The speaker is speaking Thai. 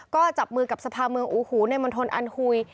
ก็จับมือกับสภาเมืองอูหูในมณฑลอันฮุย